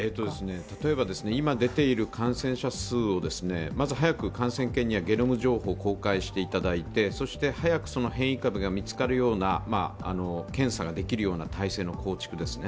例えば、今出ている感染者数を、まず早く感染研にゲノム数を報告していただいてそして早く変異株が見つかるような検査ができるような体制の構築ですね。